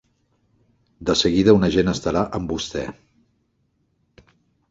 De seguida un agent estarà amb vostè.